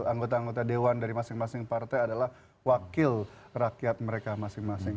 anggota anggota dewan dari masing masing partai adalah wakil rakyat mereka masing masing